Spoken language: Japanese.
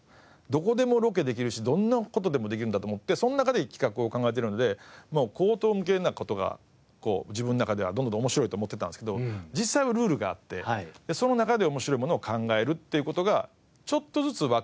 どこでもロケできるしどんな事でもできるんだと思ってその中で企画を考えているので荒唐無稽な事が自分の中ではどんどん面白いと思ってたんですけど実際はルールがあってその中で面白いものを考えるっていう事がちょっとずつわかってきて。